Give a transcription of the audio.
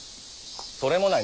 それもない。